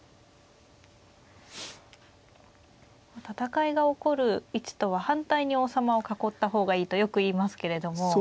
戦いが起こる位置とは反対に王様を囲った方がいいとよく言いますけれども。